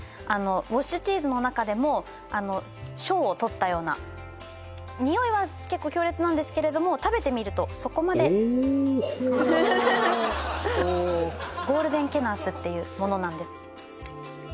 ウォッシュチーズの中でもあの賞をとったようなニオイは結構強烈なんですけれども食べてみるとそこまでおおほおほおゴールデン・ケナースっていうものなんです